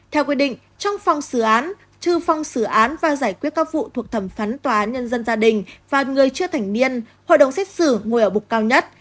theo quy định trong phòng xử án trừ phòng xử án và giải quyết các vụ thuộc thẩm phán tòa án nhân dân gia đình và người chưa thành niên hội đồng xét xử ngồi ở bục cao nhất